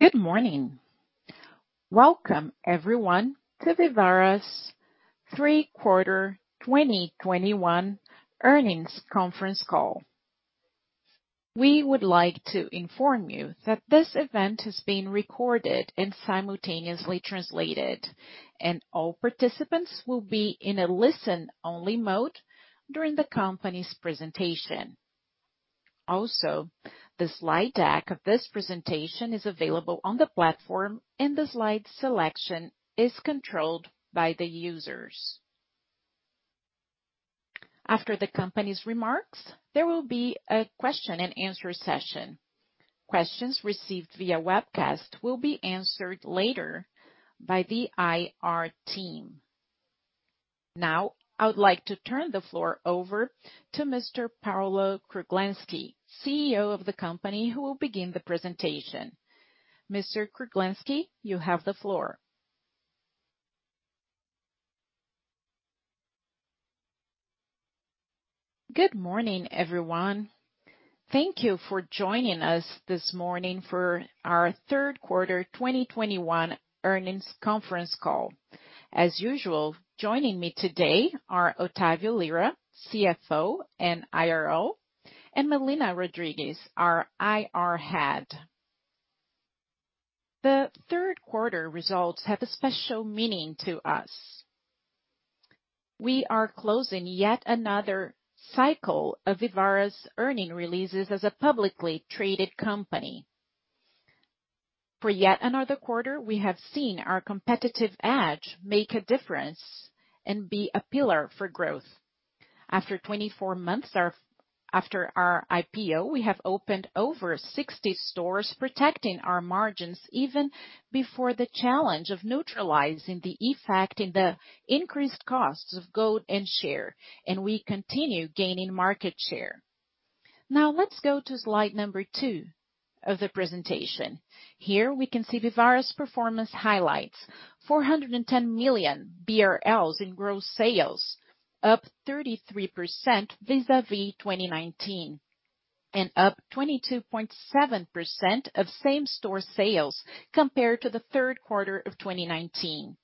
Good morning. Welcome everyone to Vivara's third quarter 2021 Earnings Conference Call. We would like to inform you that this event is being recorded and simultaneously translated, and all participants will be in a listen-only mode during the company's presentation. Also, the slide deck of this presentation is available on the platform, and the slide selection is controlled by the users. After the company's remarks, there will be a question-and-answer session. Questions received via webcast will be answered later by the IR team. Now, I would like to turn the floor over to Mr. Paulo Kruglensky, CEO of the company, who will begin the presentation. Mr. Kruglensky, you have the floor. Good morning, everyone. Thank you for joining us this morning for our third quarter 2021 earnings conference call. As usual, joining me today are Otavio Lyra, CFO and IRO, and Melina Rodrigues, our IR head. The third quarter results have a special meaning to us. We are closing yet another cycle of Vivara's earnings releases as a publicly traded company. For yet another quarter, we have seen our competitive edge make a difference and be a pillar for growth. After 24 months after our IPO, we have opened over 60 stores protecting our margins even before the challenge of neutralizing the effect in the increased costs of gold and silver, and we continue gaining market share. Now, let's go to slide number two of the presentation. Here, we can see Vivara's performance highlights. 410 million BRL in gross sales, up 33% vis-à-vis 2019, and up 22.7% of same-store sales compared to the third quarter of 2019.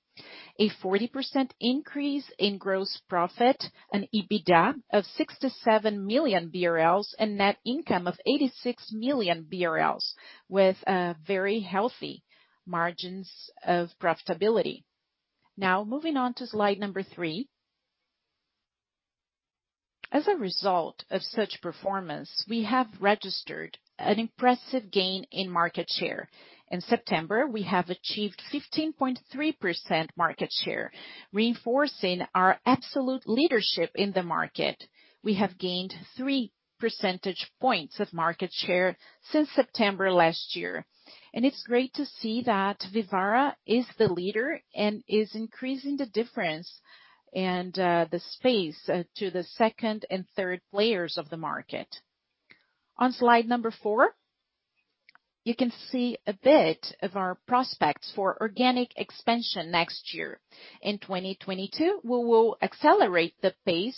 A 40% increase in gross profit, an EBITDA of 67 million BRL, and net income of 86 million BRL, with very healthy margins of profitability. Now, moving on to slide three. As a result of such performance, we have registered an impressive gain in market share. In September, we have achieved 15.3% market share, reinforcing our absolute leadership in the market. We have gained three percentage points of market share since September last year. It's great to see that Vivara is the leader and is increasing the difference and the space to the second and third players of the market. On slide four, you can see a bit of our prospects for organic expansion next year. In 2022, we will accelerate the pace,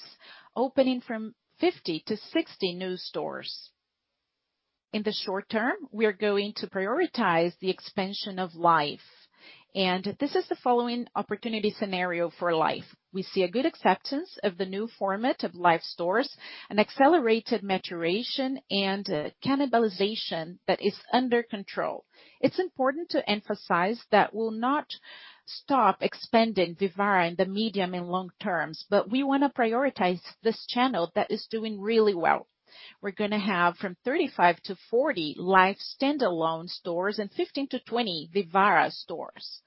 opening 50-60 new stores. In the short-term, we are going to prioritize the expansion of Life. This is the following opportunity scenario for Life. We see a good acceptance of the new format of Life stores, an accelerated maturation and cannibalization that is under control. It's important to emphasize that we'll not stop expanding Vivara in the medium- and long-terms, but we wanna prioritize this channel that is doing really well. We're gonna have from 35-40 Life standalone stores and 15-20 Vivara stores.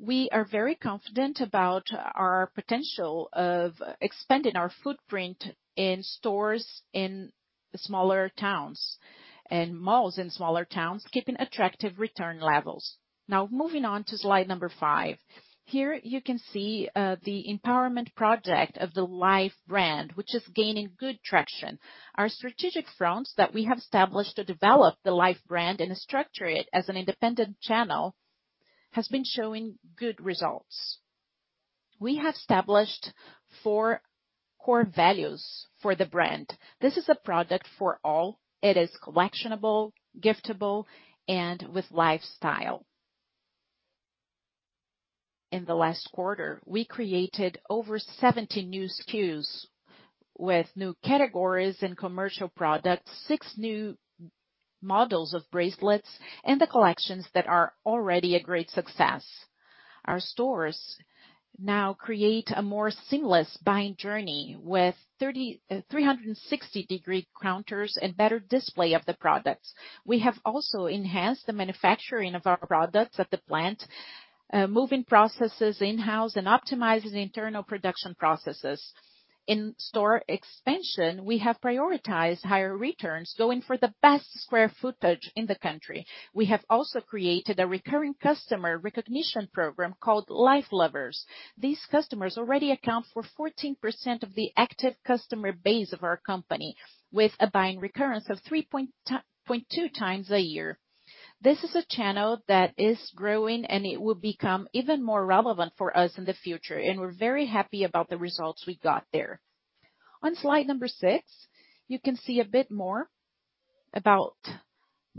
We are very confident about our potential of expanding our footprint in stores in smaller towns and malls in smaller towns, keeping attractive return levels. Now, moving on to slide number five. Here, you can see the empowerment project of the Life brand, which is gaining good traction. Our strategic fronts that we have established to develop the Life brand and structure it as an independent channel has been showing good results. We have established four core values for the brand. This is a product for all. It is collectible, giftable, and with lifestyle. In the last quarter, we created over 70 new SKUs with new categories and commercial products, six new models of bracelets, and the collections that are already a great success. Our stores now create a more seamless buying journey with 360-degree counters and better display of the products. We have also enhanced the manufacturing of our products at the plant, moving processes in-house and optimizing internal production processes. In-store expansion, we have prioritized higher returns, going for the best square footage in the country. We have also created a recurring customer recognition program called Life Lovers. These customers already account for 14% of the active customer base of our company with a buying recurrence of 3.2x a year. This is a channel that is growing, and it will become even more relevant for us in the future, and we're very happy about the results we got there. On slide number six, you can see a bit more about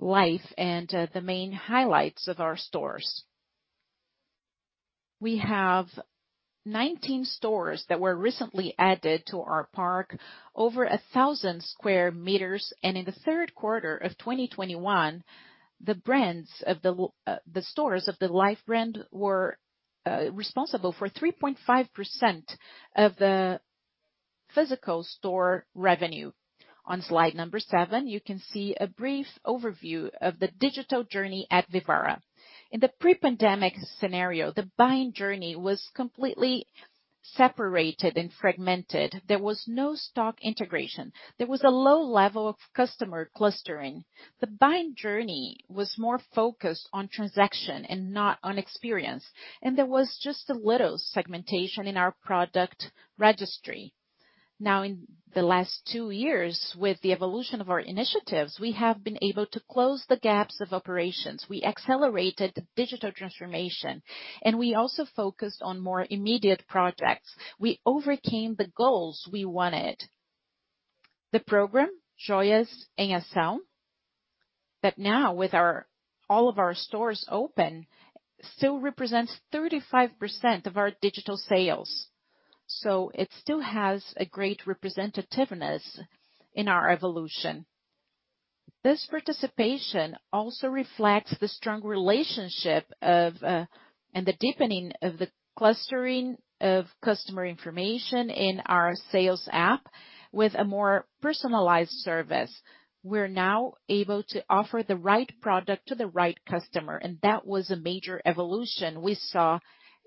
Life and the main highlights of our stores. We have 19 stores that were recently added to our park over 1,000 square meters, and in the third quarter of 2021, the stores of the Life brand were responsible for 3.5% of the physical store revenue. On slide number seven, you can see a brief overview of the digital journey at Vivara. In the pre-pandemic scenario, the buying journey was completely separated and fragmented. There was no stock integration. There was a low level of customer clustering. The buying journey was more focused on transaction and not on experience, and there was just a little segmentation in our product registry. Now, in the last two years, with the evolution of our initiatives, we have been able to close the gaps of operations. We accelerated digital transformation, and we also focused on more immediate projects. We overcame the goals we wanted. The program, Joias em Casa, that now with all of our stores open, still represents 35% of our digital sales. It still has a great representativeness in our evolution. This participation also reflects the strong relationship of, and the deepening of the clustering of customer information in our sales app with a more personalized service. We're now able to offer the right product to the right customer, and that was a major evolution we saw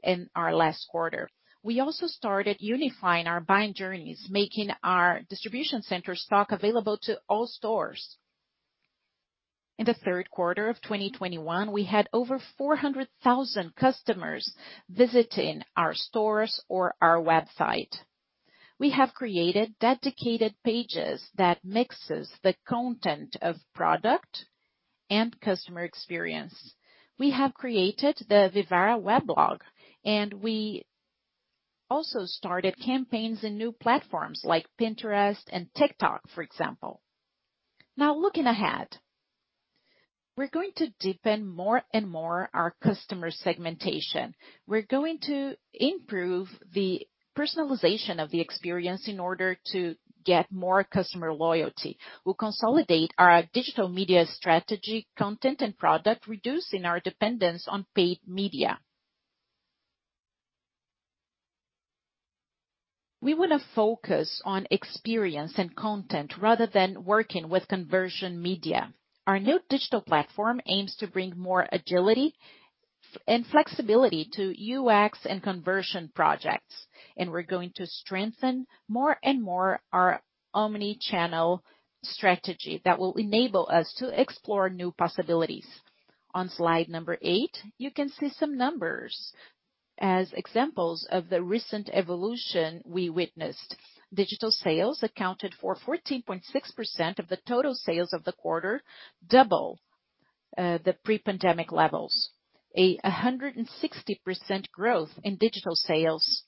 in our last quarter. We also started unifying our buying journeys, making our distribution center stock available to all stores. In the third quarter of 2021, we had over 400,000 customers visiting our stores or our website. We have created dedicated pages that mixes the content of product and customer experience. We have created the Blog Vivara, and we also started campaigns in new platforms like Pinterest and TikTok, for example. Now, looking ahead, we're going to deepen more and more our customer segmentation. We're going to improve the personalization of the experience in order to get more customer loyalty. We'll consolidate our digital media strategy, content and product, reducing our dependence on paid media. We wanna focus on experience and content rather than working with conversion media. Our new digital platform aims to bring more agility and flexibility to UX and conversion projects, and we're going to strengthen more and more our omni-channel strategy that will enable us to explore new possibilities. On slide number eight, you can see some numbers as examples of the recent evolution we witnessed. Digital sales accounted for 14.6% of the total sales of the quarter, double the pre-pandemic levels. A 160% growth in digital sales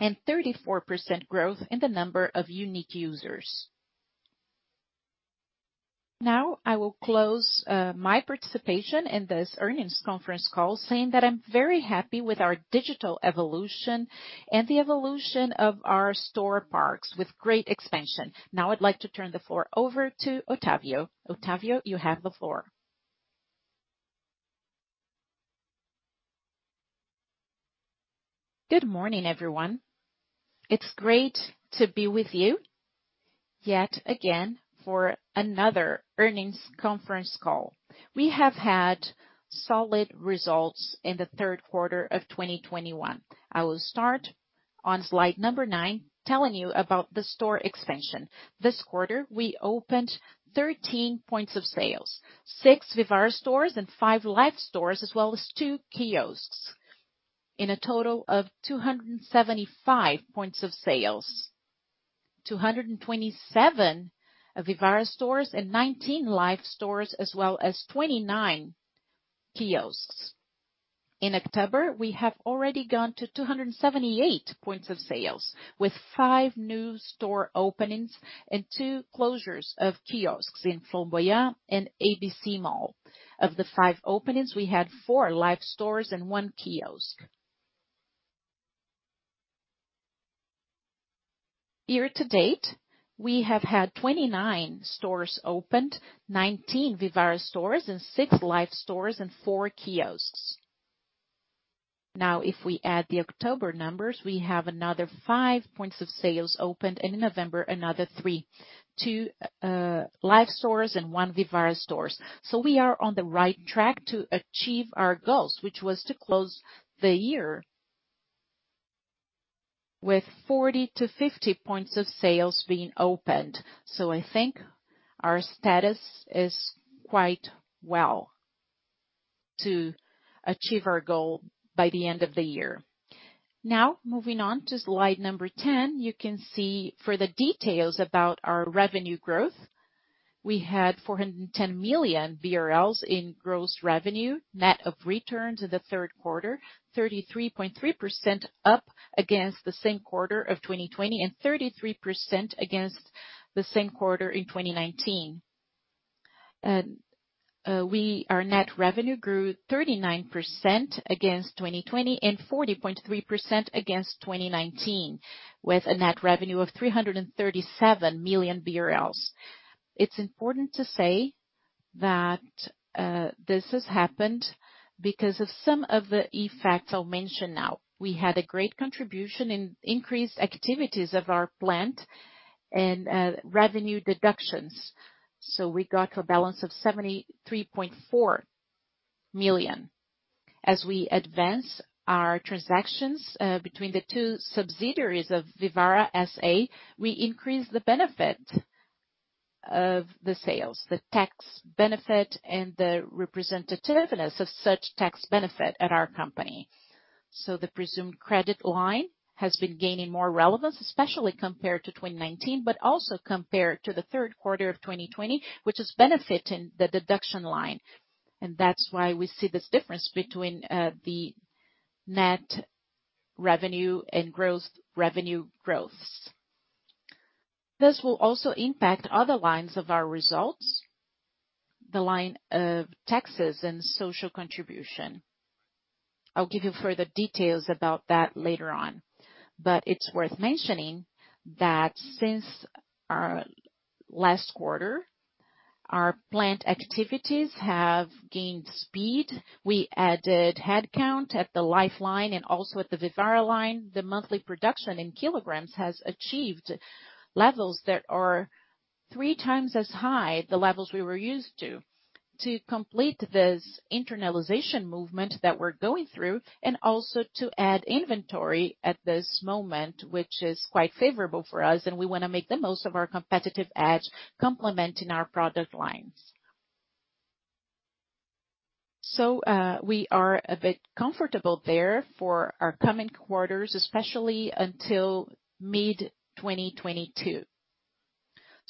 and 34% growth in the number of unique users. Now, I will close my participation in this earnings conference call saying that I'm very happy with our digital evolution and the evolution of our store parks with great expansion. Now, I'd like to turn the floor over to Otavio. Otavio, you have the floor. Good morning, everyone. It's great to be with you yet again for another earnings conference call. We have had solid results in the third quarter of 2021. I will start on slide number nine, telling you about the store expansion. This quarter, we opened 13 points of sales, six Vivara stores and five Life stores, as well as two kiosks, in a total of 275 points of sales, 227 Vivara stores and 19 Life stores as well as 29 kiosks. In October, we have already gone to 278 points of sales, with five new store openings and two closures of kiosks in Flamboyant and ABC Mall. Of the five openings, we had four Life stores and one kiosk. Year-to-date, we have had 29 stores opened, 19 Vivara stores and six Life stores and four kiosks. Now, if we add the October numbers, we have another five points of sales opened, and in November, another three, two Life stores and 1 Vivara stores. We are on the right track to achieve our goals, which was to close the year with 40-50 points of sales being opened. I think our status is quite well to achieve our goal by the end of the year. Now, moving on to slide 10, you can see for the details about our revenue growth. We had 410 million BRL in gross revenue, net of returns in the third quarter, 33.3% up against the same quarter of 2020, and 33% against the same quarter in 2019. Our net revenue grew 39% against 2020 and 40.3% against 2019, with a net revenue of 337 million BRL. It's important to say that this has happened because of some of the effects I'll mention now. We had a great contribution in increased activities of our plant and revenue deductions. We got a balance of 73.4 million. As we advance our transactions between the two subsidiaries of Vivara S.A., we increase the benefit of the sales, the tax benefit, and the representativeness of such tax benefit at our company. The presumed credit line has been gaining more relevance, especially compared to 2019, but also compared to the third quarter of 2020, which is benefiting the deduction line. That's why we see this difference between the net revenue and gross revenue growths. This will also impact other lines of our results, the line of taxes and social contribution. I'll give you further details about that later on. It's worth mentioning that since our last quarter, our plant activities have gained speed. We added headcount at the Life line and also at the Vivara line. The monthly production in kilograms has achieved levels that are three times as high, the levels we were used to complete this internalization movement that we're going through and also to add inventory at this moment, which is quite favorable for us, and we wanna make the most of our competitive edge complementing our product lines. We are a bit comfortable there for our coming quarters, especially until mid-2022.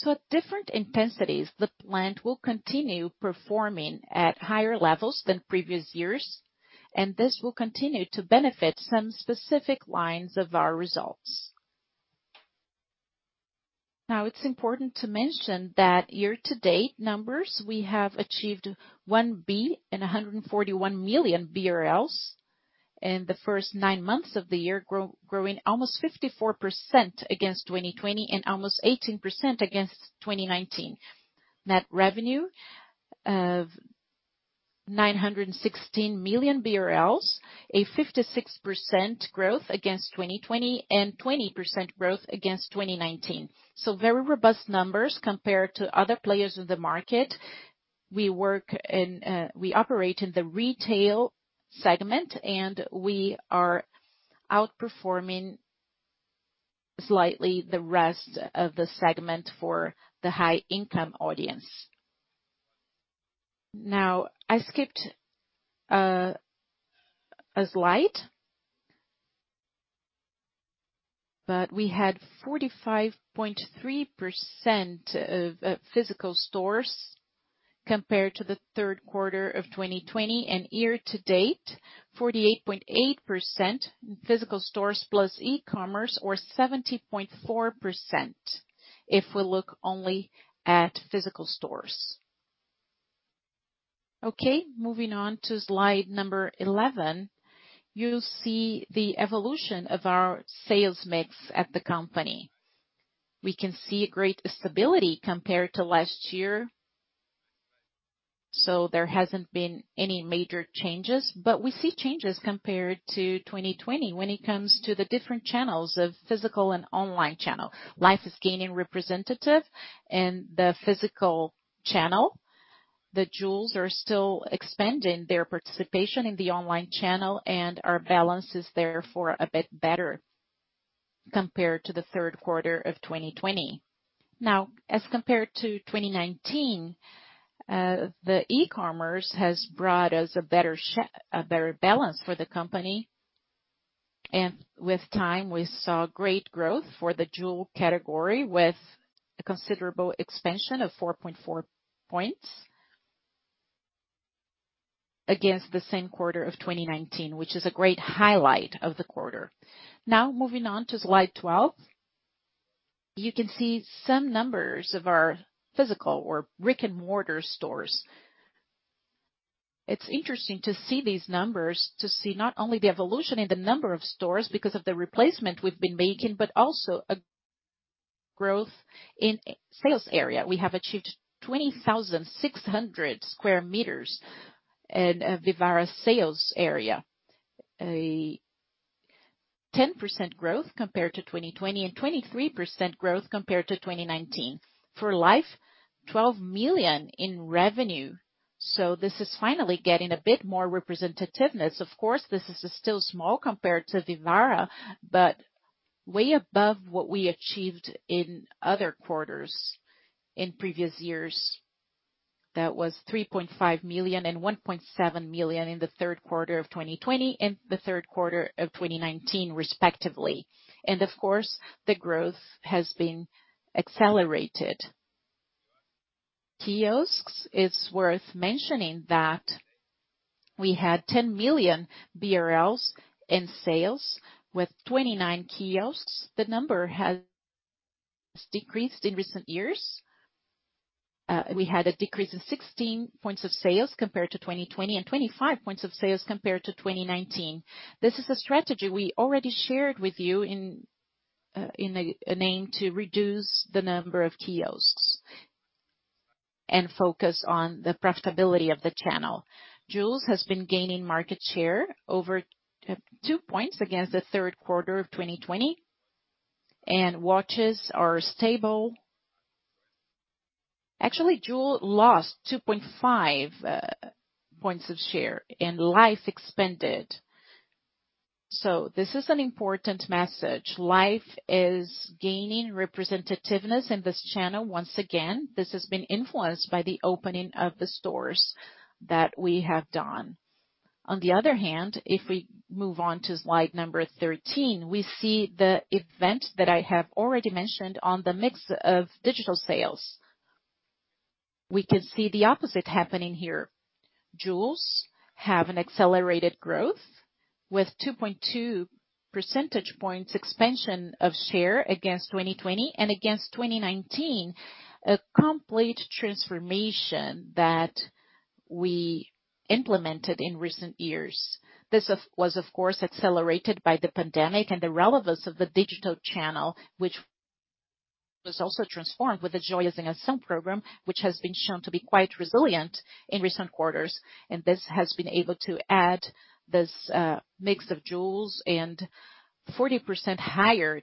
At different intensities, the plant will continue performing at higher levels than previous years, and this will continue to benefit some specific lines of our results. Now it's important to mention that year-to-date numbers, we have achieved 1.141 billion BRL in the first nine months of the year, growing almost 54% against 2020 and almost 18% against 2019. Net revenue of 916 million BRL, a 56% growth against 2020 and 20% growth against 2019. Very robust numbers compared to other players in the market. We work in, we operate in the retail segment, and we are outperforming slightly the rest of the segment for the high income audience. Now, I skipped a slide. We had 45.3% of physical stores compared to the third quarter of 2020 and year-to-date, 48.8% in physical stores plus e-commerce or 70.4% if we look only at physical stores. Okay, moving on to slide number 11, you'll see the evolution of our sales mix at the company. We can see a great stability compared to last year. There hasn't been any major changes. We see changes compared to 2020 when it comes to the different channels of physical and online channel. Life is gaining representation in the physical channel. The jewels are still expanding their participation in the online channel, and our balance is therefore a bit better compared to the third quarter of 2020. Now, as compared to 2019, the e-commerce has brought us a better balance for the company. With time, we saw great growth for the jewel category, with a considerable expansion of 4.4 points against the same quarter of 2019, which is a great highlight of the quarter. Now, moving on to slide 12. You can see some numbers of our physical or brick-and-mortar stores. It's interesting to see these numbers, to see not only the evolution in the number of stores because of the replacement we've been making, but also a growth in sales area. We have achieved 20,600 sq m in Vivara sales area. A 10% growth compared to 2020 and 23% growth compared to 2019. For Life, 12 million in revenue. This is finally getting a bit more representativeness. Of course, this is still small compared to Vivara, but way above what we achieved in other quarters in previous years. That was 3.5 million and 1.7 million in the third quarter of 2020 and the third quarter of 2019 respectively. Of course, the growth has been accelerated. Kiosks, it's worth mentioning that we had 10 million BRL in sales with 29 kiosks. The number has decreased in recent years. We had a decrease of 16 points of sales compared to 2020 and 25 points of sales compared to 2019. This is a strategy we already shared with you in an email to reduce the number of kiosks and focus on the profitability of the channel. Jewels has been gaining market share over two points against the third quarter of 2020. Watches are stable. Actually, Jewel lost 2.5 points of share and Life expanded. This is an important message. Life is gaining representativeness in this channel. Once again, this has been influenced by the opening of the stores that we have done. On the other hand, if we move on to slide number 13, we see the event that I have already mentioned on the mix of digital sales. We can see the opposite happening here. Jewels have an accelerated growth with 2.2 percentage points expansion of share against 2020 and against 2019, a complete transformation that we implemented in recent years. This was of course, accelerated by the pandemic and the relevance of the digital channel, which was also transformed with the Joias em Ação program, which has been shown to be quite resilient in recent quarters. This has been able to add this mix of jewels and 40% higher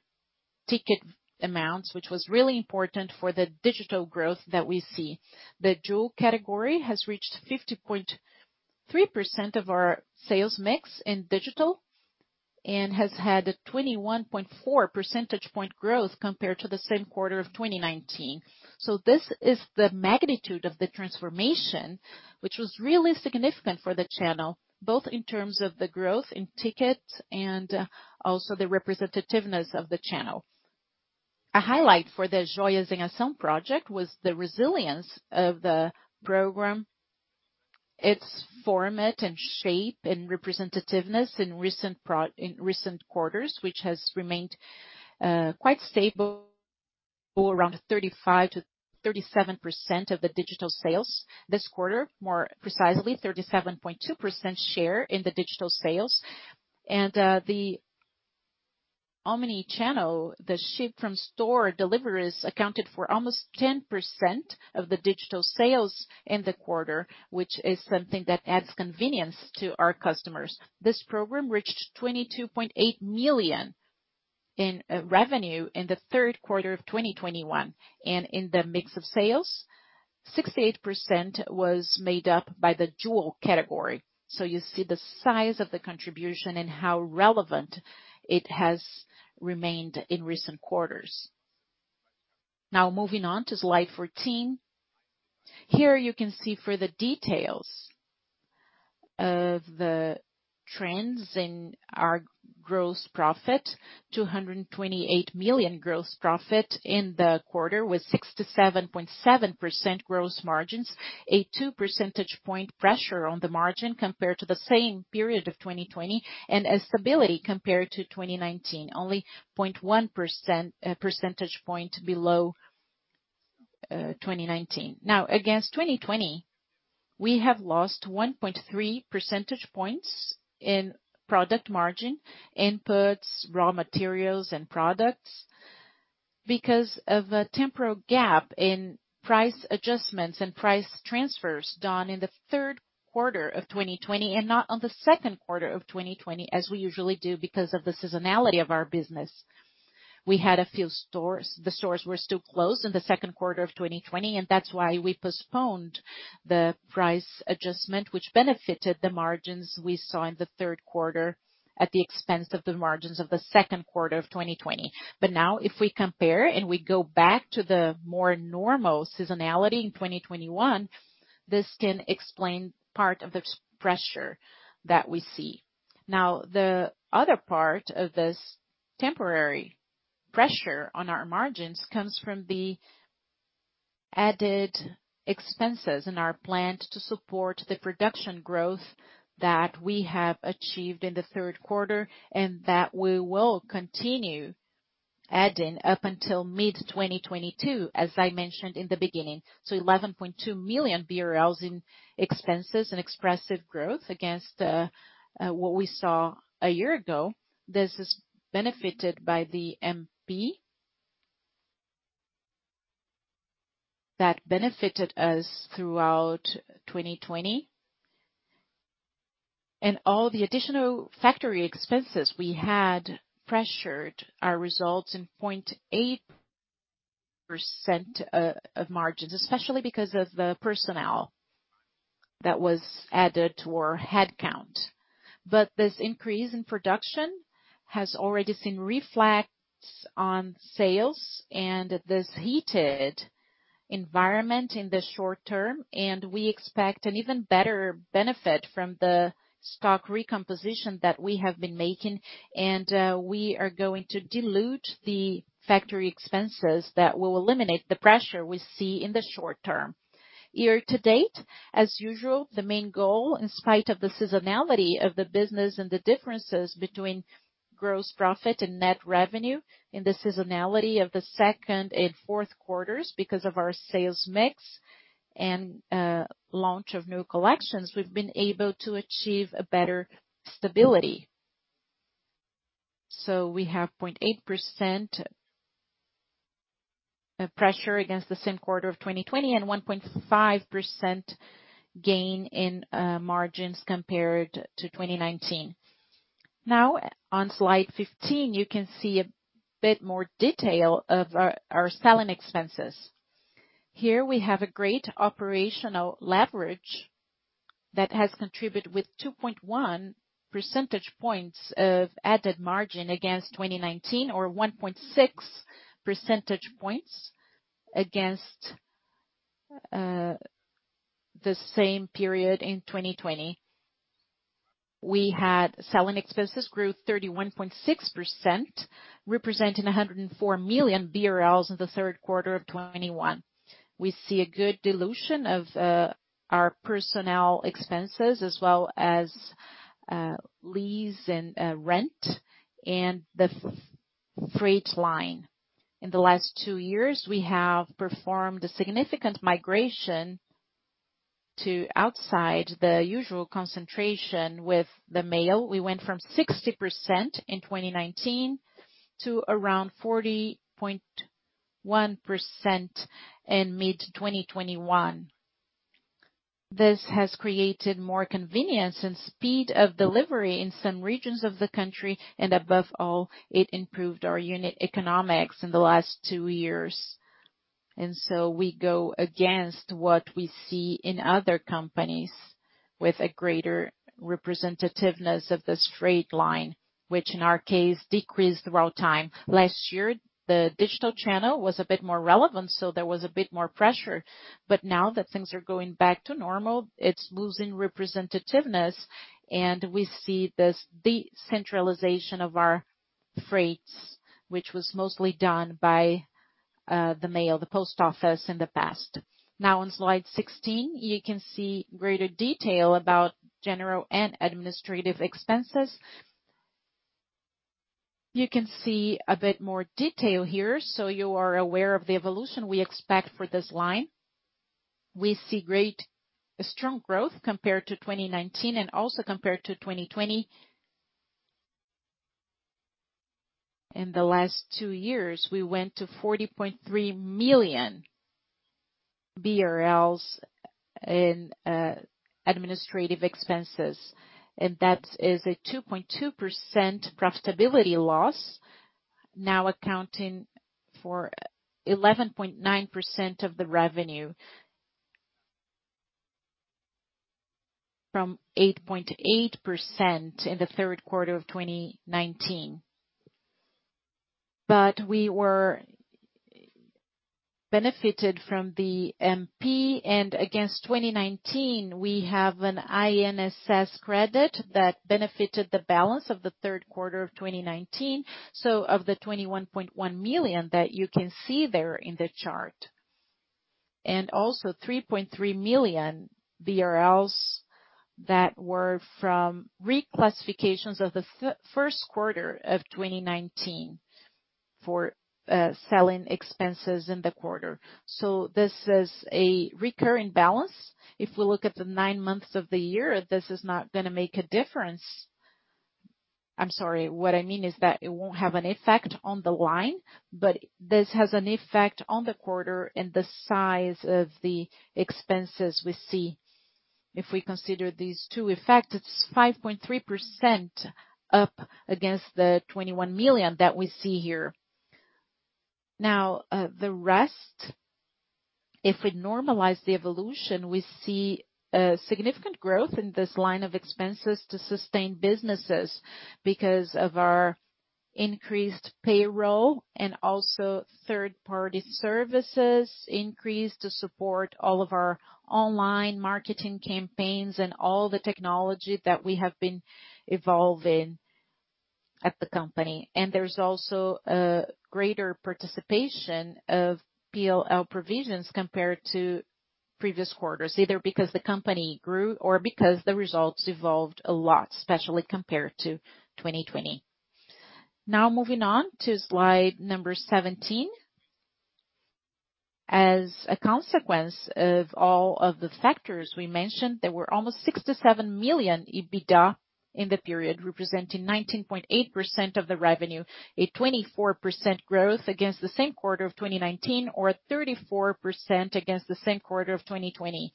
ticket amounts, which was really important for the digital growth that we see. The jewel category has reached 50.3% of our sales mix in digital and has had a 21.4 percentage point growth compared to the same quarter of 2019. This is the magnitude of the transformation, which was really significant for the channel, both in terms of the growth in tickets and also the representativeness of the channel. A highlight for the Joias em Ação project was the resilience of the program, its format and shape and representativeness in recent quarters, which has remained quite stable around 35%-37% of the digital sales this quarter. More precisely, 37.2% share in the digital sales. The omni-channel ship from store deliveries accounted for almost 10% of the digital sales in the quarter, which is something that adds convenience to our customers. This program reached 22.8 million in revenue in the third quarter of 2021, and in the mix of sales, 68% was made up by the jewel category. You see the size of the contribution and how relevant it has remained in recent quarters. Now moving on to slide 14. Here you can see further details of the trends in our gross profit, 228 million gross profit in the quarter with 67.7% gross margins, a 2 percentage point pressure on the margin compared to the same period of 2020 and a stability compared to 2019. Only 0.1 percentage point below 2019. Now against 2020, we have lost 1.3 percentage points in product margin, inputs, raw materials and products because of a temporal gap in price adjustments and price transfers done in the third quarter of 2020 and not on the second quarter of 2020 as we usually do because of the seasonality of our business. We had a few stores. The stores were still closed in the second quarter of 2020, and that's why we postponed the price adjustment which benefited the margins we saw in the third quarter at the expense of the margins of the second quarter of 2020. Now if we compare and we go back to the more normal seasonality in 2021, this can explain part of the SG&A pressure that we see. Now, the other part of this temporary pressure on our margins comes from the added expenses in our plan to support the production growth that we have achieved in the third quarter and that we will continue adding up until mid-2022 as I mentioned in the beginning. 11.2 million BRL in expenses and expressive growth against what we saw a year ago. This is benefited by the MP that benefited us throughout 2020. All the additional factory expenses we had pressured our results in 0.8% of margins, especially because of the personnel that was added to our headcount. This increase in production has already been reflected in sales and in this heated environment in the short-term, and we expect an even better benefit from the stock recomposition that we have been making. We are going to dilute the factory expenses that will eliminate the pressure we see in the short-term. Year-to-date, as usual, the main goal, in spite of the seasonality of the business and the differences between gross profit and net revenue in the seasonality of the second and fourth quarters because of our sales mix and launch of new collections, we've been able to achieve a better stability. We have 0.8% pressure against the same quarter of 2020, and 1.5% gain in margins compared to 2019. Now on slide 15, you can see a bit more detail of our selling expenses. Here we have a great operational leverage that has contributed with 2.1 percentage points of added margin against 2019 or 1.6 percentage points against the same period in 2020. We had selling expenses grew 31.6%, representing 104 million BRL in the third quarter of 2021. We see a good dilution of our personnel expenses as well as lease and rent and the freight line. In the last two years, we have performed a significant migration to outside the usual concentration with the mall. We went from 60% in 2019 to around 40.1% in mid-2021. This has created more convenience and speed of delivery in some regions of the country, and above all, it improved our unit economics in the last two years. We go against what we see in other companies with a greater representativeness of the straight line, which in our case decreased throughout time. Last year, the digital channel was a bit more relevant, so there was a bit more pressure. Now that things are going back to normal, it's losing representativeness, and we see this, the centralization of our freights, which was mostly done by the mail, the post office in the past. Now on slide 16, you can see greater detail about general and administrative expenses. You can see a bit more detail here, so you are aware of the evolution we expect for this line. We see strong growth compared to 2019 and also compared to 2020. In the last two years, we went to 40.3 million BRL in administrative expenses, and that is a 2.2% profitability loss, now accounting for 11.9% of the revenue from 8.8% in the third quarter of 2019. We were benefited from the MP, and against 2019 we have an INSS credit that benefited the balance of the third quarter of 2019. Of the 21.1 million that you can see there in the chart, and also 3.3 million BRL that were from reclassifications of the first quarter of 2019 for selling expenses in the quarter. This is a recurring balance. If we look at the nine months of the year, this is not gonna make a difference. I'm sorry. What I mean is that it won't have an effect on the line, but this has an effect on the quarter and the size of the expenses we see. If we consider these two effects, it's 5.3% up against the 21 million that we see here. Now, the rest, if we normalize the evolution, we see a significant growth in this line of expenses to sustain businesses because of our increased payroll and also third-party services increase to support all of our online marketing campaigns and all the technology that we have been evolving at the company. There's also a greater participation of PLR provisions compared to previous quarters, either because the company grew or because the results evolved a lot, especially compared to 2020. Now moving on to slide number 17. As a consequence of all of the factors we mentioned, there were almost 6 million-7 million EBITDA in the period, representing 19.8% of the revenue, a 24% growth against the same quarter of 2019 or 34% against the same quarter of 2020.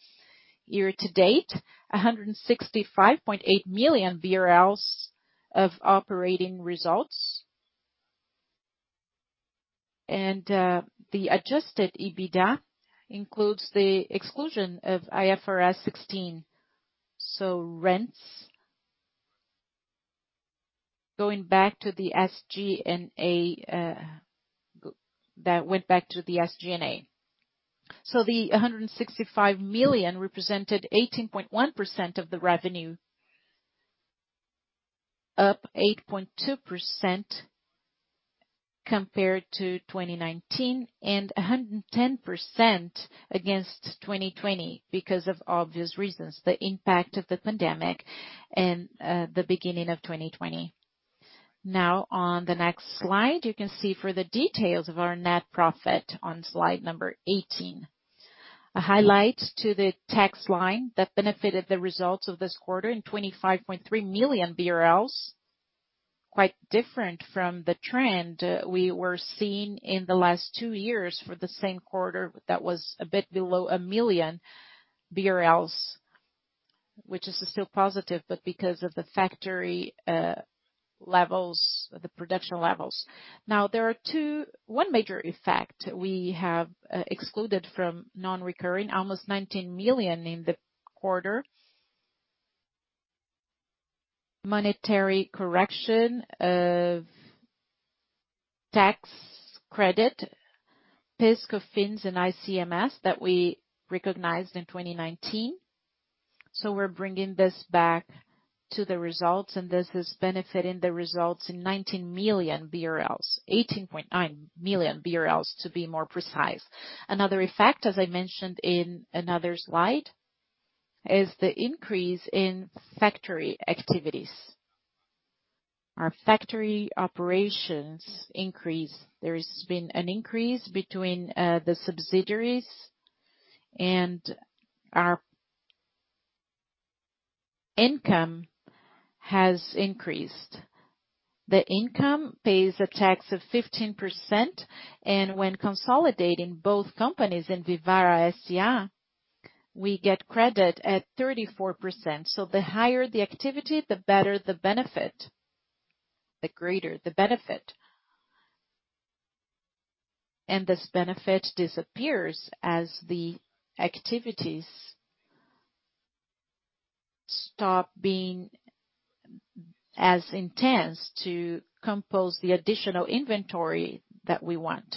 Year-to-date, 165.8 million BRL of operating results. The adjusted EBITDA includes the exclusion of IFRS 16, so rents. Going back to the SG&A. The 165 million represented 18.1% of the revenue, up 8.2% compared to 2019, and 110% against 2020, because of obvious reasons, the impact of the pandemic and the beginning of 2020. Now on the next slide, you can see for the details of our net profit on slide number 18. A highlight to the tax line that benefited the results of this quarter in 25.3 million BRL, quite different from the trend we were seeing in the last two years for the same quarter that was a bit below 1 million BRL, which is still positive, but because of the factory levels, the production levels. Now there are one major effect we have excluded from non-recurring, almost 19 million in the quarter. Monetary correction of tax credit, PIS, COFINS, and ICMS that we recognized in 2019. We're bringing this back to the results, and this is benefiting the results in 19 million BRL. 18.9 million BRL, to be more precise. Another effect, as I mentioned in another slide, is the increase in factory activities. Our factory operations increase. There's been an increase between the subsidiaries, and our income has increased. The income pays a tax of 15%, and when consolidating both companies in Vivara S.A., we get credit at 34%. The higher the activity, the better the benefit, the greater the benefit. This benefit disappears as the activities stop being as intense to compose the additional inventory that we want.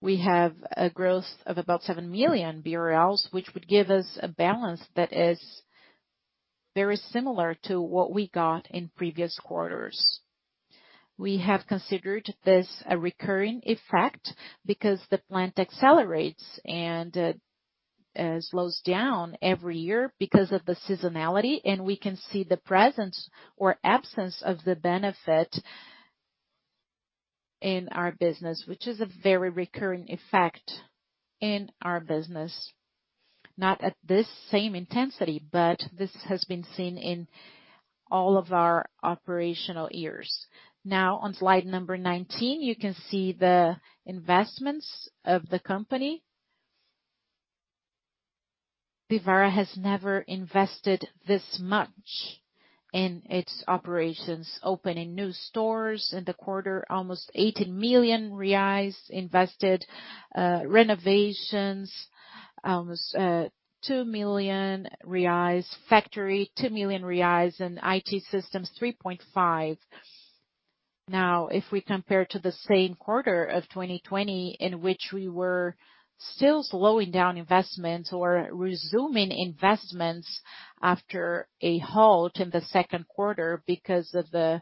We have a growth of about 7 million BRL, which would give us a balance that is very similar to what we got in previous quarters. We have considered this a recurring effect because the plant accelerates and slows down every year because of the seasonality, and we can see the presence or absence of the benefit in our business, which is a very recurring effect in our business. Not at this same intensity, but this has been seen in all of our operational years. Now on slide number 19, you can see the investments of the company. Vivara has never invested this much in its operations. Opening new stores in the quarter, almost 80 million reais invested, renovations, almost 2 million reais, factory, 2 million reais, and IT systems, 3.5 million. Now, if we compare to the same quarter of 2020, in which we were still slowing down investments or resuming investments after a halt in the second quarter because of the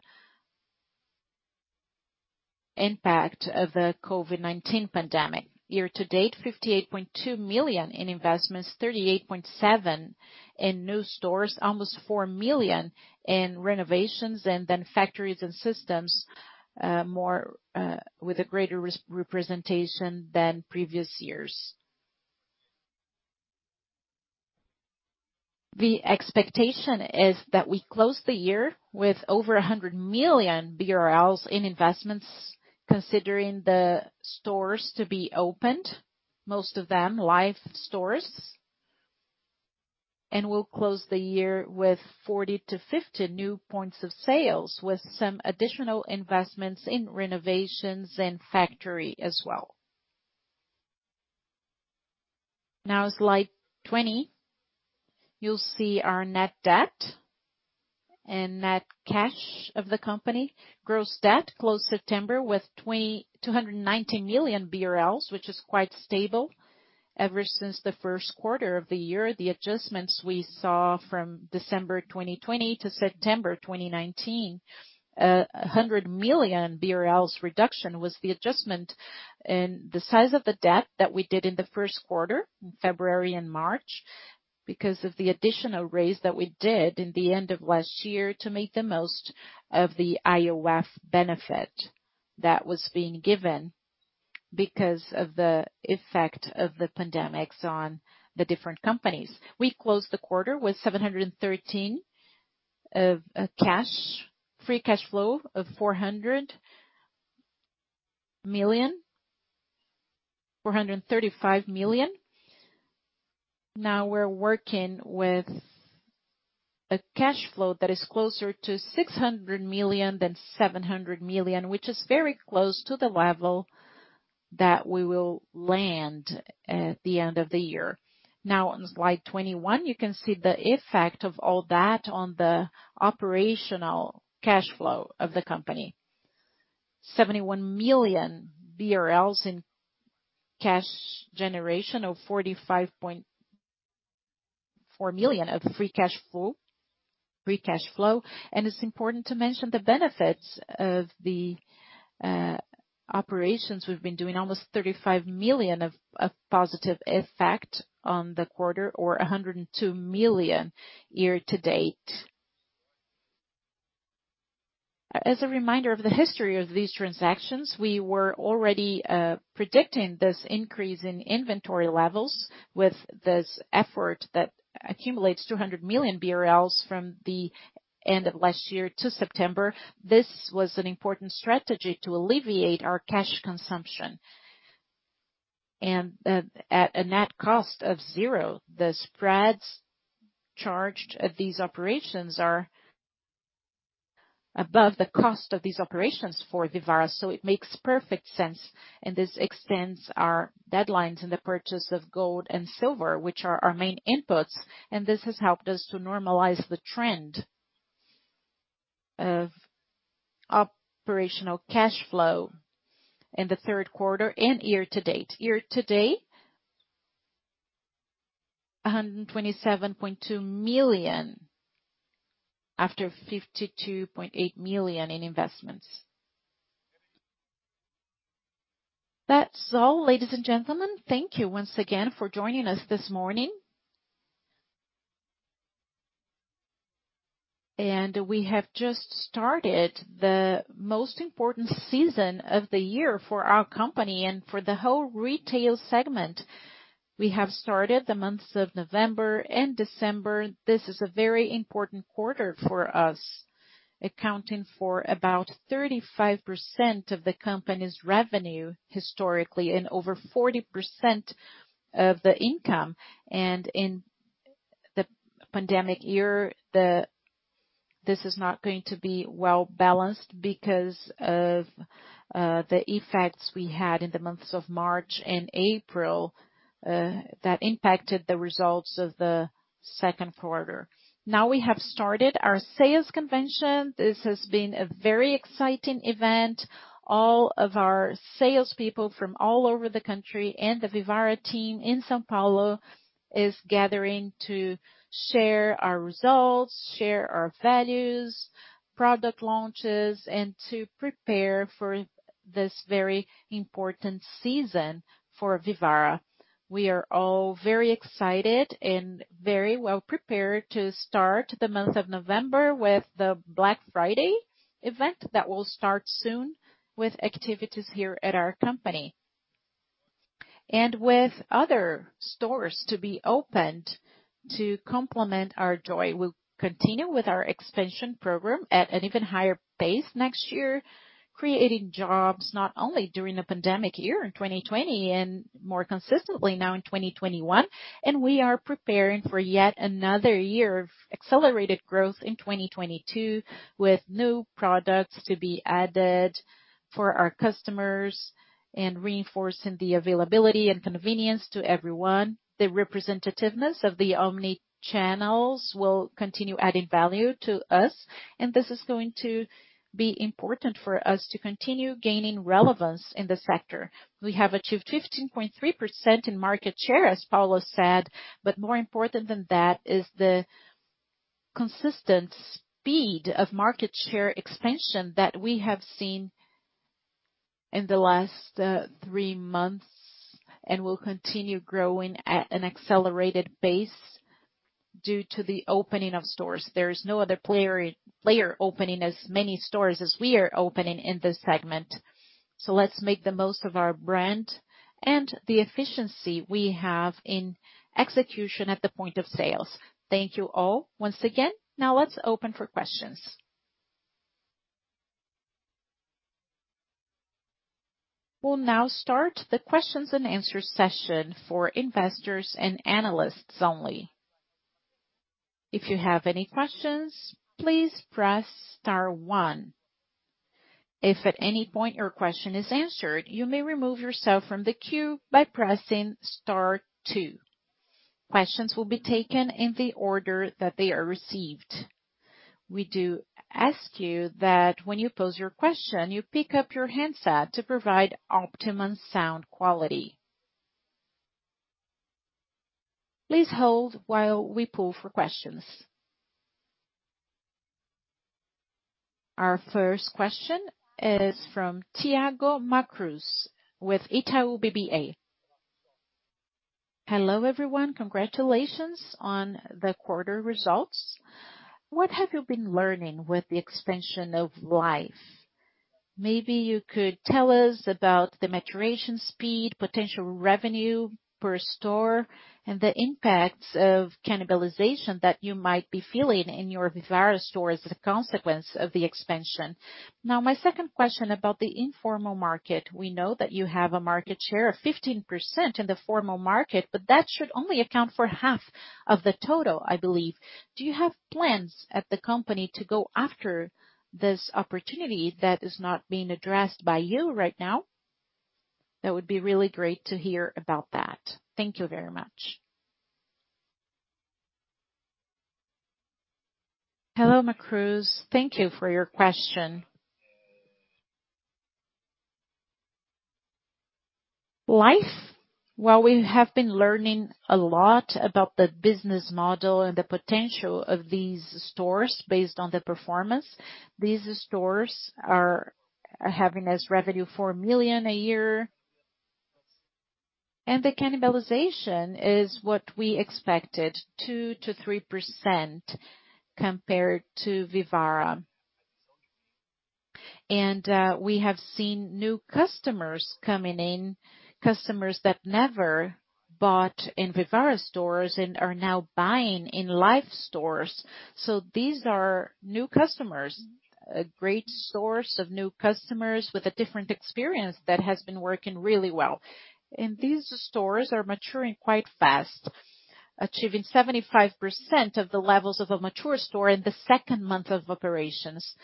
impact of the COVID-19 pandemic. Year-to-date, 58.2 million in investments, 38.7 in new stores, almost 4 million in renovations, and then factories and systems, more, with a greater representation than previous years. The expectation is that we close the year with over 100 million BRL in investments, considering the stores to be opened, most of them life stores. We'll close the year with 40-50 new points of sales, with some additional investments in renovations and factory as well. Now slide 20, you'll see our net debt and net cash of the company. Gross debt closed September with 290 million BRL, which is quite stable. Ever since the first quarter of the year, the adjustments we saw from December 2020 to September 2019, a 100 million BRL reduction was the adjustment in the size of the debt that we did in the first quarter, February and March. Because of the additional raise that we did in the end of last year to make the most of the IOF benefit that was being given because of the effect of the pandemic on the different companies. We closed the quarter with 713 million of cash, free cash flow of 435 million. Now we're working with a cash flow that is closer to 600 million than 700 million, which is very close to the level that we will land at the end of the year. Now on slide 21, you can see the effect of all that on the operational cash flow of the company. 71 million BRL in cash generation of 45.4 million of free cash flow. It's important to mention the benefits of the operations we've been doing. Almost 35 million of positive effect on the quarter or 102 million year-to-date. As a reminder of the history of these transactions, we were already predicting this increase in inventory levels with this effort that accumulates 200 million BRL from the end of last year to September. This was an important strategy to alleviate our cash consumption. At a net cost of zero, the spreads charged at these operations are above the cost of these operations for Vivara, so it makes perfect sense, and this extends our deadlines in the purchase of gold and silver, which are our main inputs, and this has helped us to normalize the trend of operational cash flow in the third quarter and year-to-date. Year-to-date, 127.2 million after 52.8 million in investments. That's all, ladies and gentlemen. Thank you once again for joining us this morning. We have just started the most important season of the year for our company and for the whole retail segment. We have started the months of November and December. This is a very important quarter for us, accounting for about 35% of the company's revenue historically and over 40% of the income. In the pandemic year, this is not going to be well-balanced because of the effects we had in the months of March and April that impacted the results of the second quarter. Now we have started our sales convention. This has been a very exciting event. All of our salespeople from all over the country and the Vivara team in São Paulo is gathering to share our results, share our values, product launches, and to prepare for this very important season for Vivara. We are all very excited and very well prepared to start the month of November with the Black Friday event that will start soon with activities here at our company. With other stores to be opened to complement our joias, we'll continue with our expansion program at an even higher pace next year, creating jobs not only during the pandemic year in 2020 and more consistently now in 2021, and we are preparing for yet another year of accelerated growth in 2022 with new products to be added for our customers and reinforcing the availability and convenience to everyone. The representativeness of the omnichannel will continue adding value to us, and this is going to be important for us to continue gaining relevance in the sector. We have achieved 15.3% in market share, as Paulo said, but more important than that is the consistent speed of market share expansion that we have seen in the last three months and will continue growing at an accelerated pace due to the opening of stores. There is no other player opening as many stores as we are opening in this segment. Let's make the most of our brand and the efficiency we have in execution at the point of sales. Thank you all once again. Now let's open for questions. We'll now start the questions and answer session for investors and analysts only. If you have any questions, please press star one. If at any point your question is answered, you may remove yourself from the queue by pressing star two. Questions will be taken in the order that they are received. We do ask you that when you pose your question, you pick up your handset to provide optimum sound quality. Please hold while we poll for questions. Our first question is from Thiago Macruz with Itaú BBA. Hello, everyone. Congratulations on the quarter results. What have you been learning with the expansion of Life? Maybe you could tell us about the maturation speed, potential revenue per store and the impacts of cannibalization that you might be feeling in your Vivara stores as a consequence of the expansion. Now, my second question about the informal market. We know that you have a market share of 15% in the formal market, but that should only account for half of the total, I believe. Do you have plans at the company to go after this opportunity that is not being addressed by you right now? That would be really great to hear about that. Thank you very much. Hello, Macruz. Thank you for your question. Life, well, we have been learning a lot about the business model and the potential of these stores based on the performance. These stores are having as revenue 4 million a year. The cannibalization is what we expected, 2%-3% compared to Vivara. We have seen new customers coming in, customers that never bought in Vivara stores and are now buying in Life stores. These are new customers, a great source of new customers with a different experience that has been working really well. These stores are maturing quite fast, achieving 75% of the levels of a mature store in the second month of operations.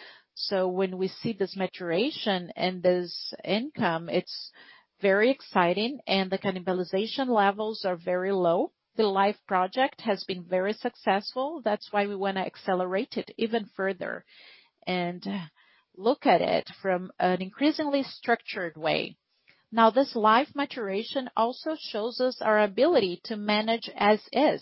When we see this maturation and this income, it's very exciting and the cannibalization levels are very low. The Life project has been very successful. That's why we wanna accelerate it even further and look at it from an increasingly structured way. Now, this Life maturation also shows us our ability to manage as is.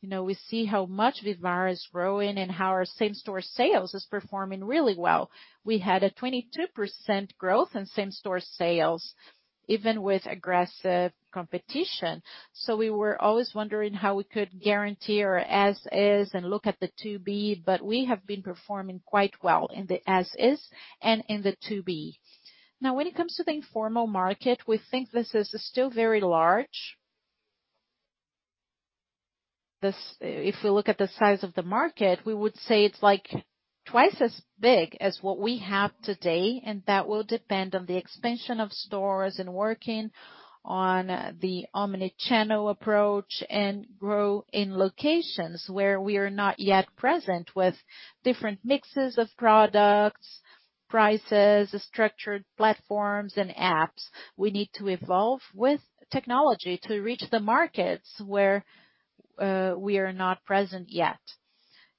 You know, we see how much Vivara is growing and how our same-store sales is performing really well. We had a 22% growth in same-store sales, even with aggressive competition. We were always wondering how we could guarantee our as is and look at the to-be, but we have been performing quite well in the as is and in the to-be. Now, when it comes to the informal market, we think this is still very large. If we look at the size of the market, we would say it's, like, twice as big as what we have today, and that will depend on the expansion of stores and working on the omni-channel approach and grow in locations where we are not yet present with different mixes of products, prices, structured platforms and apps. We need to evolve with technology to reach the markets where we are not present yet.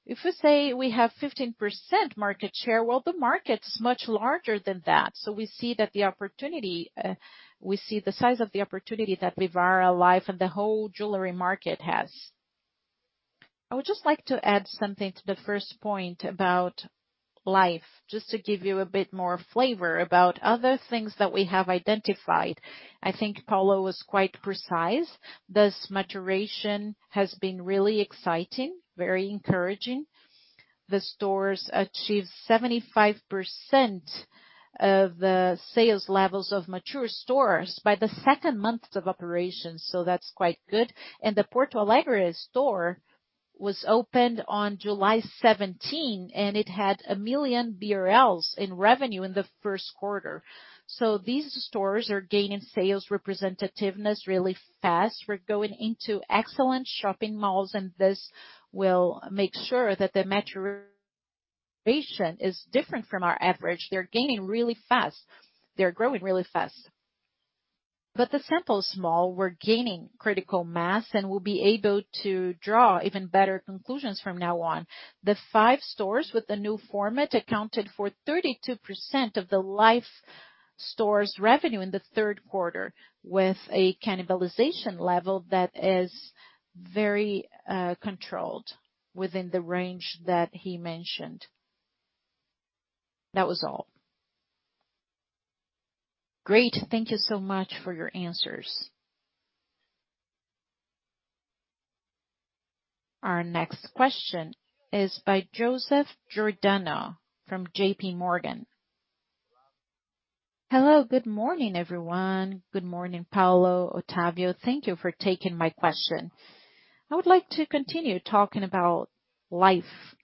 If we say we have 15% market share, well, the market is much larger than that, so we see the size of the opportunity that Vivara, Life, and the whole jewelry market has. I would just like to add something to the first point about Life, just to give you a bit more flavor about other things that we have identified. I think Paulo was quite precise. This maturation has been really exciting, very encouraging. The stores achieved 75% of the sales levels of mature stores by the second month of operations. So that's quite good. The Porto Alegre store was opened on July 17, and it had 1 million BRL in revenue in the first quarter. These stores are gaining sales representativeness really fast. We're going into excellent shopping malls, and this will make sure that the maturation is different from our average. They're gaining really fast. They're growing really fast. The sample is small. We're gaining critical mass, and we'll be able to draw even better conclusions from now on. The five stores with the new format accounted for 32% of the Life stores' revenue in the third quarter, with a cannibalization level that is very controlled within the range that he mentioned. That was all. Great. Thank you so much for your answers. Our next question is by Joseph Giordano from JPMorgan. Hello, good morning, everyone. Good morning, Paulo, Otávio. Thank you for taking my question. I would like to continue talking about Life.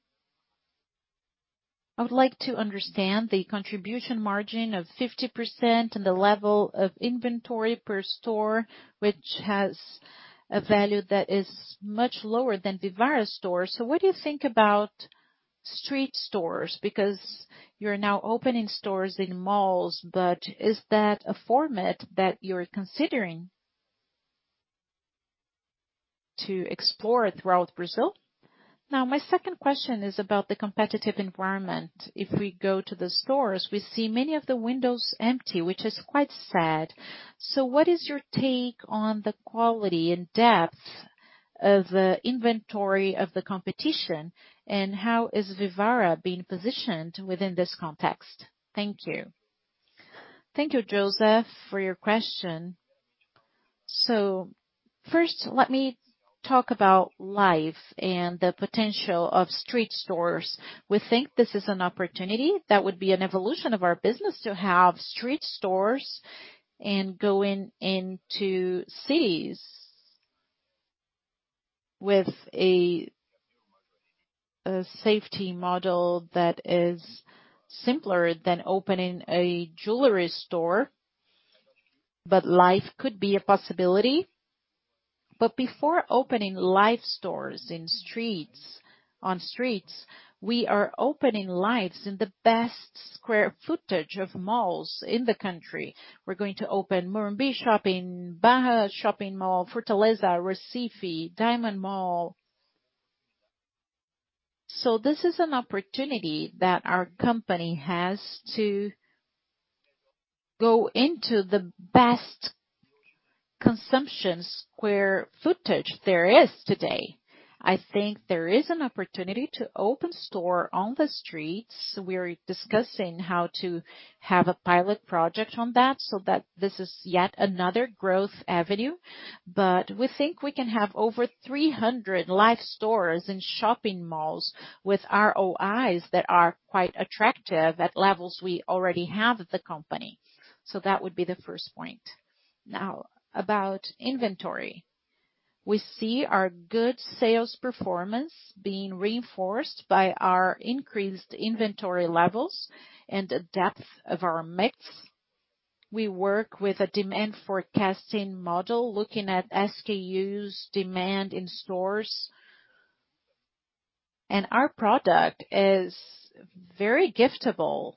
I would like to understand the contribution margin of 50% and the level of inventory per store, which has a value that is much lower than Vivara stores. What do you think about street stores? Because you're now opening stores in malls, but is that a format that you're considering to explore throughout Brazil? Now, my second question is about the competitive environment. If we go to the stores, we see many of the windows empty, which is quite sad. What is your take on the quality and depth of the inventory of the competition, and how is Vivara being positioned within this context? Thank you. Thank you, Joseph, for your question. First let me talk about Life and the potential of street stores. We think this is an opportunity that would be an evolution of our business to have street stores and going into cities. With a safety model that is simpler than opening a jewelry store. Life could be a possibility. Before opening Life stores on streets, we are opening Life stores in the best square footage of malls in the country. We're going to open Morumbi Shopping, Barra Shopping Mall, Fortaleza, Recife, Diamond Mall. This is an opportunity that our company has to go into the best consumption square footage there is today. I think there is an opportunity to open store on the streets. We're discussing how to have a pilot project on that so that this is yet another growth avenue. We think we can have over 300 Life stores and shopping malls with ROIs that are quite attractive at levels we already have at the company. That would be the first point. Now about inventory. We see our good sales performance being reinforced by our increased inventory levels and the depth of our mix. We work with a demand forecasting model looking at SKUs demand in stores. Our product is very giftable.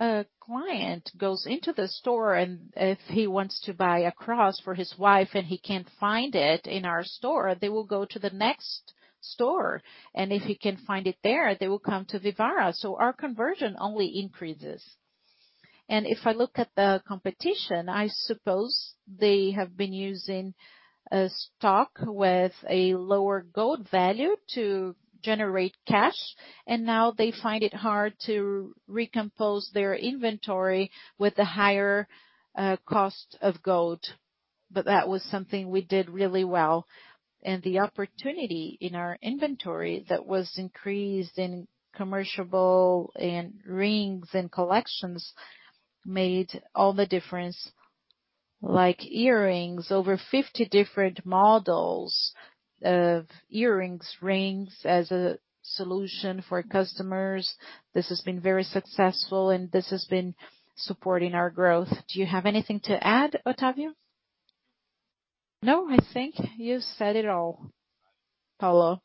A client goes into the store, and if he wants to buy a cross for his wife and he can't find it in our store, they will go to the next store, and if he can find it there, they will come to Vivara. Our conversion only increases. If I look at the competition, I suppose they have been using a stock with a lower gold value to generate cash, and now they find it hard to recompose their inventory with the higher, cost of gold. That was something we did really well. The opportunity in our inventory that was increased in earrings, bangles and rings and collections made all the difference. Like earrings, over 50 different models of earrings, rings as a solution for customers. This has been very successful, and this has been supporting our growth. Do you have anything to add, Otávio? No, I think you said it all, Paulo.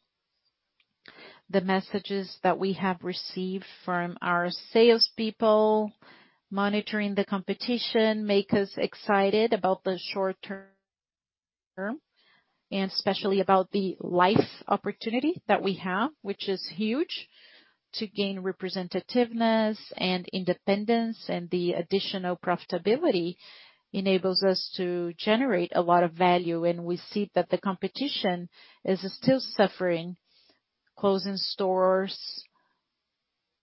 The messages that we have received from our salespeople monitoring the competition make us excited about the short-term, and especially about the Life opportunity that we have, which is huge. To gain representativeness and independence and the additional profitability enables us to generate a lot of value. We see that the competition is still suffering, closing stores.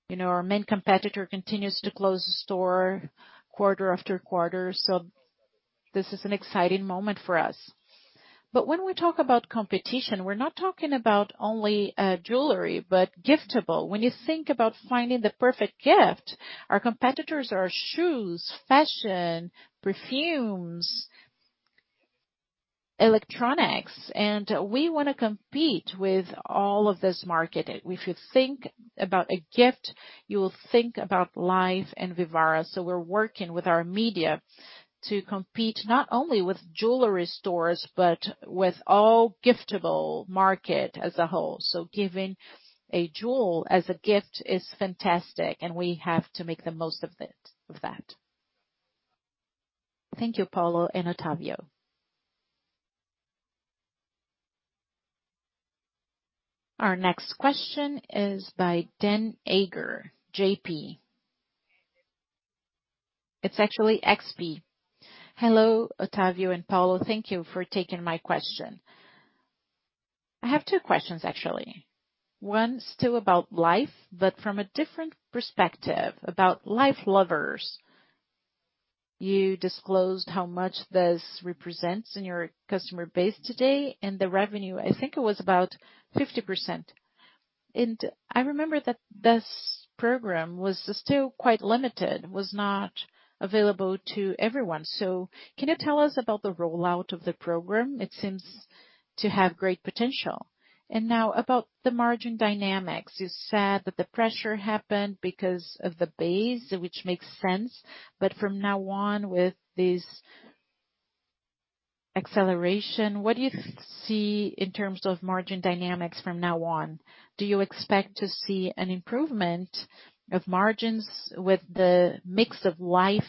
You know, our main competitor continues to close stores quarter after quarter. This is an exciting moment for us. When we talk about competition, we're not talking about only, jewelry, but giftable. When you think about finding the perfect gift, our competitors are shoes, fashion, perfumes, electronics, and we wanna compete with all of this market. If you think about a gift, you will think about Life and Vivara. We're working with our media to compete not only with jewelry stores, but with all giftable market as a whole. Giving a jewel as a gift is fantastic, and we have to make the most of that. Thank you, Paulo and Otavio. Our next question is by Danniela Eiger, XP. Hello, Otavio and Paulo. Thank you for taking my question. I have two questions, actually. One still about Life, but from a different perspective about Life Lovers. You disclosed how much this represents in your customer base today and the revenue, I think it was about 50%. I remember that this program was still quite limited, was not available to everyone. Can you tell us about the rollout of the program? It seems to have great potential. Now about the margin dynamics. You said that the pressure happened because of the base, which makes sense. From now on, with this acceleration, what do you see in terms of margin dynamics from now on? Do you expect to see an improvement of margins with the mix of Life,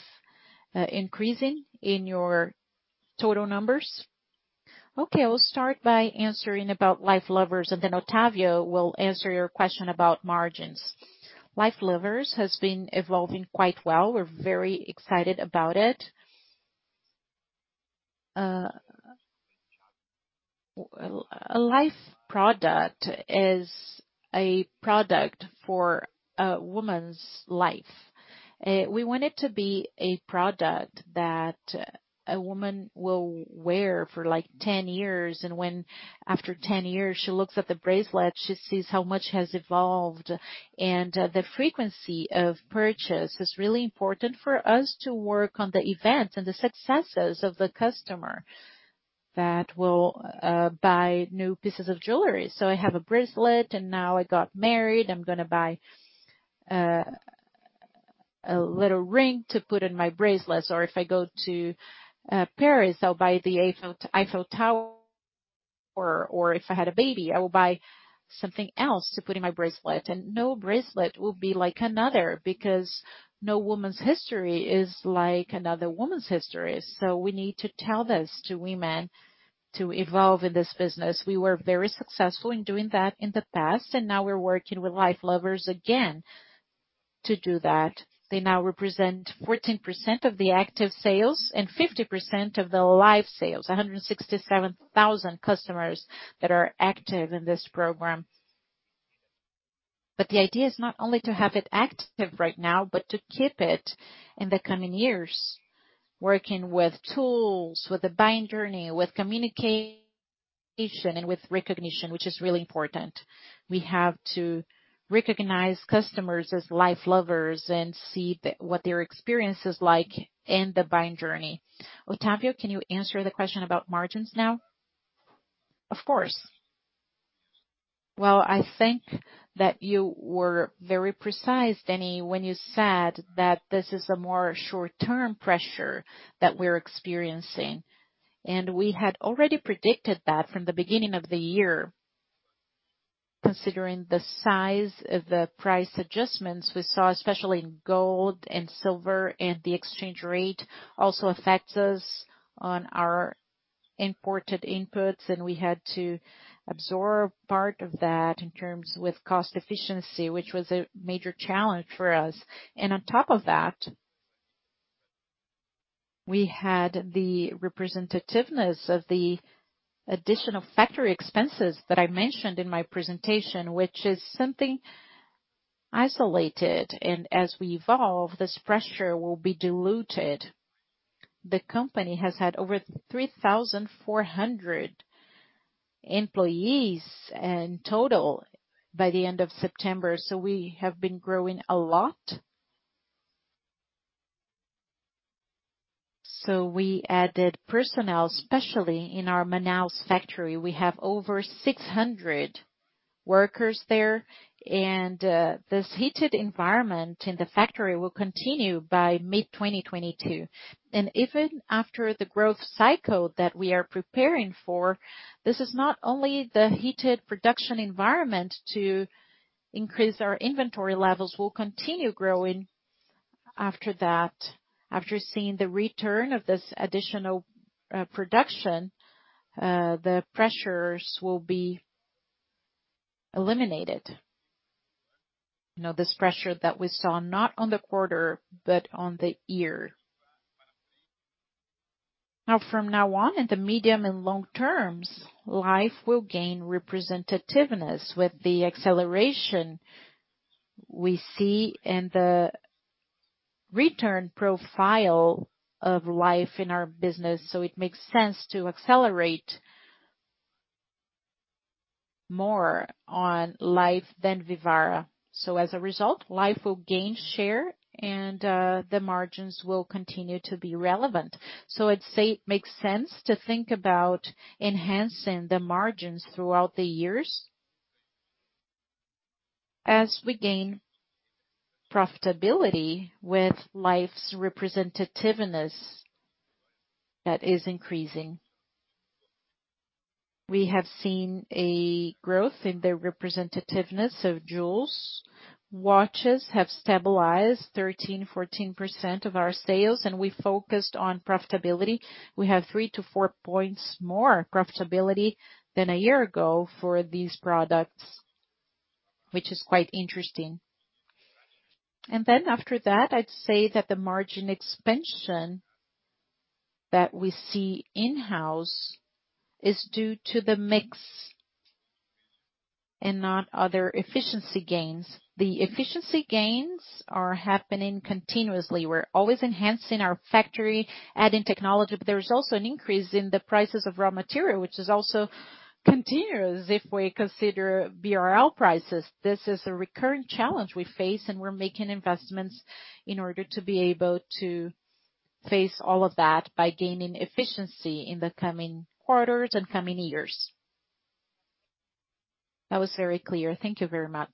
increasing in your total numbers? Okay, I'll start by answering about Life Lovers, and then Otavio will answer your question about margins. Life Lovers has been evolving quite well. We're very excited about it. A Life product is a product for a woman's life. We want it to be a product that a woman will wear for like 10 years, and when after 10 years she looks at the bracelet, she sees how much has evolved. The frequency of purchase is really important for us to work on the events and the successes of the customer that will buy new pieces of jewelry. I have a bracelet, and now I got married. I'm gonna buy a little ring to put in my bracelets. If I go to Paris, I'll buy the Eiffel Tower. If I had a baby, I will buy something else to put in my bracelet. No bracelet will be like another because no woman's history is like another woman's history. We need to tell this to women to evolve in this business. We were very successful in doing that in the past, and now we're working with Life Lovers again to do that. They now represent 14% of the active sales and 50% of the Life sales. 167,000 customers that are active in this program. The idea is not only to have it active right now, but to keep it in the coming years, working with tools, with the buying journey, with communication and with recognition, which is really important. We have to recognize customers as Life Lovers and see what their experience is like in the buying journey. Otávio, can you answer the question about margins now? Of course. Well, I think that you were very precise, Danny, when you said that this is a more short-term pressure that we're experiencing. We had already predicted that from the beginning of the year, considering the size of the price adjustments we saw, especially in gold and silver. The exchange rate also affects us on our imported inputs, and we had to absorb part of that in terms of cost efficiency, which was a major challenge for us. On top of that, we had the representativeness of the additional factory expenses that I mentioned in my presentation, which is something isolated. As we evolve, this pressure will be diluted. The company has had over 3,400 employees in total by the end of September, so we have been growing a lot. We added personnel, especially in our Manaus factory. We have over 600 workers there. This heated environment in the factory will continue by mid-2022. Even after the growth cycle that we are preparing for, this is not only the heated production environment to increase our inventory levels will continue growing after that. After seeing the return of this additional production, the pressures will be eliminated. You know, this pressure that we saw, not on the quarter but on the year. Now, from now on, in the medium- and long-terms, Life will gain representativeness with the acceleration we see and the return profile of Life in our business, so it makes sense to accelerate more on Life than Vivara. As a result, Life will gain share and the margins will continue to be relevant. I'd say it makes sense to think about enhancing the margins throughout the years as we gain profitability with Life's representativeness that is increasing. We have seen a growth in the representativeness of jewels. Watches have stabilized 13%-14% of our sales, and we focused on profitability. We have three to four points more profitability than a year ago for these products, which is quite interesting. After that, I'd say that the margin expansion that we see in-house is due to the mix and not other efficiency gains. The efficiency gains are happening continuously. We're always enhancing our factory, adding technology, but there is also an increase in the prices of raw material, which is also continuous if we consider BRL prices. This is a recurring challenge we face, and we're making investments in order to be able to face all of that by gaining efficiency in the coming quarters and coming years. That was very clear. Thank you very much.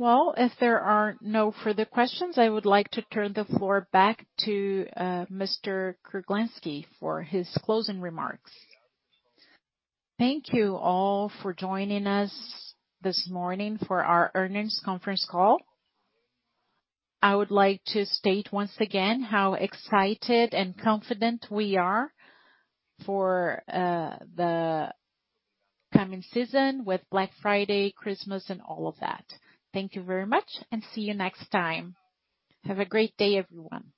Well, if there are no further questions, I would like to turn the floor back to Mr. Kruglensky for his closing remarks. Thank you all for joining us this morning for our earnings conference call. I would like to state once again how excited and confident we are for the coming season with Black Friday, Christmas, and all of that. Thank you very much and see you next time. Have a great day, everyone.